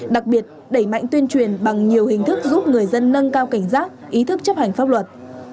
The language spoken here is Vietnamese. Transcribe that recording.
đặc biệt đẩy mạnh tuyên truyền bằng nhiều hình thức giúp người dân nâng cao cảnh giác ý thức chấp hành pháp luật